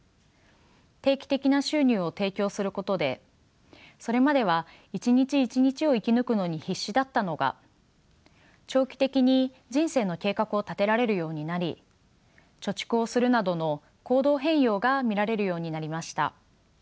定期的な収入を提供することでそれまでは一日一日を生き抜くのに必死だったのが長期的に人生の計画を立てられるようになり貯蓄をするなどの行動変容が見られるようになりました。